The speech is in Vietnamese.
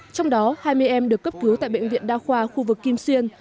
trong đó hai mươi em được cấp cứu tại bệnh viện đa khoa khu vực kim xuyên